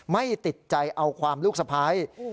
ไม่ติดใจเอาความลูกสะพ้าย